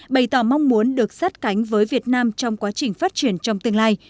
bày tỏ mong muốn được sát cánh với việt nam trong quá trình phát triển trong tương lai